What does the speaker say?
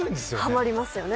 ハマりますよね。